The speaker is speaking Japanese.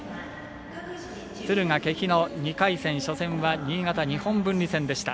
敦賀気比の２回戦初戦は新潟・日本文理戦でした。